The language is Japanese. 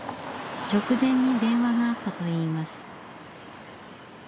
直前に電話があったといいます。